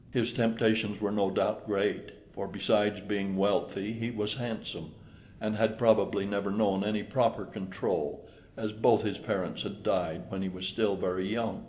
His temptations were no doubt great; for besides being wealthy he was handsome, and had probably never known any proper control, as both his parents had died when he was still very young.